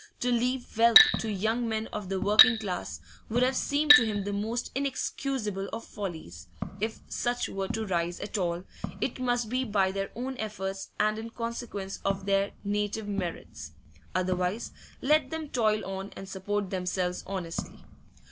To leave wealth to young men of the working class would have seemed to him the most inexcusable of follies; if such were to rise at all, it must be by their own efforts and in consequence of their native merits; otherwise, let them toil on and support themselves honestly.